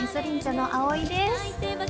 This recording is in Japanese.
のあおいです。